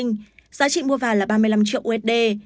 giá trị mua vàng là ba mươi năm triệu usd